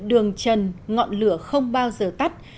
đường trần ngọn lửa không bao giờ tắt